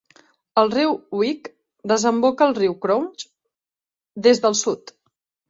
El riu Wick desemboca al riu Crouch des del sud.